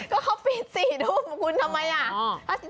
ก็เขาปิด๔ทุ่มคุณทำไมอ่ะ